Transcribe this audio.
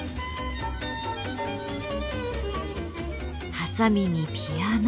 ハサミにピアノ。